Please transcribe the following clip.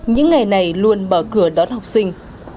những ngày này luôn bỏ cửa đón học sinh